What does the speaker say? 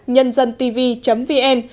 nhân dân tv vn